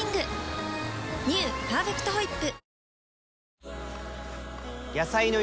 「パーフェクトホイップ」